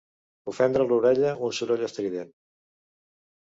Ofendre l'orella un soroll estrident.